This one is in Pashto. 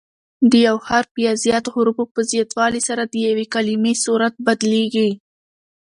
د یو حرف یا زیاتو حروفو په زیاتوالي سره د یوې کلیمې صورت بدلیږي.